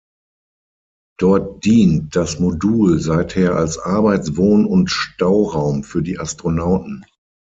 Dort dient das Modul seither als Arbeits-, Wohn- und Stauraum für die Astronauten.